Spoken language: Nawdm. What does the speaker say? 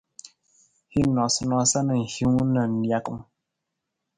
Hin noosanoosa na hiwung na nijakung.